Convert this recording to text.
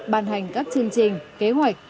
bàn hành các chương trình kế hoạch